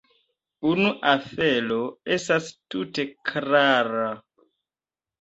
Unu afero estas tute klara.